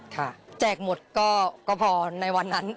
แจกหมดก็พอในวันนั้น